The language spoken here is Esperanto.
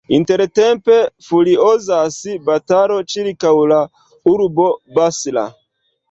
Intertempe furiozas batalo ĉirkaŭ la urbo Basra.